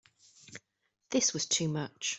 This was too much.